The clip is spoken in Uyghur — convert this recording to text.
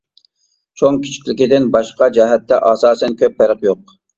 چوڭ كىچىكلىكىدىن باشقا جەھەتتە ئاساسەن كۆپ پەرق يوق.